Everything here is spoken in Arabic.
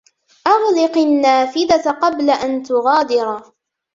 اغلق النافذة قبل أن تغادر.